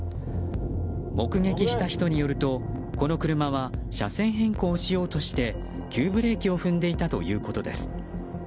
目撃した人によると、この車は車線変更しようとして急ブレーキを踏んでいたということです。